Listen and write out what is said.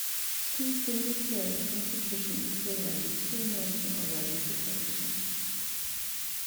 Students then declare a concentration in playwriting, screenwriting, or writing for television.